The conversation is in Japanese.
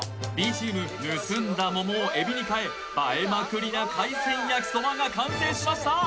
チーム盗んだ桃を海老に換え映えまくりな海鮮焼きそばが完成しました